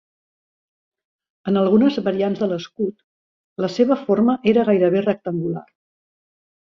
En algunes variants de l'escut la seva forma era gairebé rectangular.